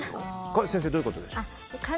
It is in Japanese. これ、先生どういうことでしょうか。